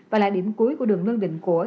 và là điểm cuối của đường lương định của